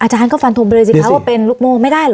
อาจารย์ก็ฟันทงไปเลยสิคะว่าเป็นลูกโม่ไม่ได้เหรอ